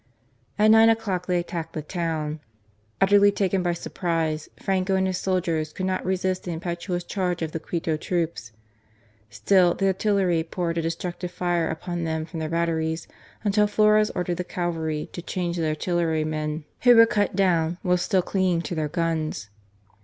At nine o'clock they attacked the town. Utterly taken by surprise, Franco and his soldiers could not resist the impetuous charge of the Quito troops. Still, the artillery poured a destructive fire upon them from their batteries, until Flores ordered the cavalry to charge the artillerymen, who were cut down while still clinging to their guns.